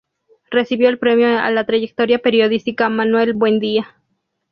Recibió el premio a la trayectoria periodística Manuel Buendía.